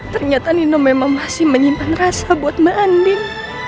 ternyata nino memang masih menyimpan rasa buat manding